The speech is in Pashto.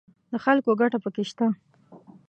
د خلکو ګټه پکې شته